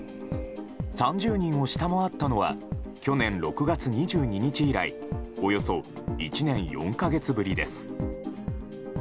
３０人を下回ったのは去年６月２２日以来およそ１年４か月ぶりです。